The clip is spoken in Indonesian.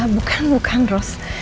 bukan bukan ros